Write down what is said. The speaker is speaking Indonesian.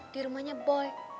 di rumahnya boy